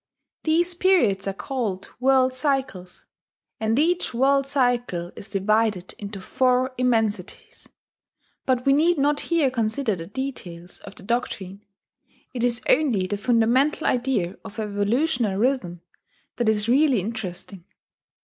These periods are called "World Cycles," and each World Cycle is divided into four "Immensities," but we need not here consider the details of the doctrine. It is only the fundamental idea of a evolutional rhythm that is really interesting.